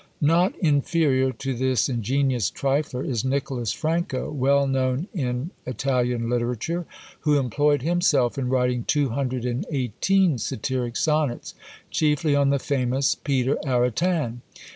Not inferior to this ingenious trifler is Nicholas Franco, well known in Italian literature, who employed himself in writing two hundred and eighteen satiric sonnets, chiefly on the famous Peter Aretin.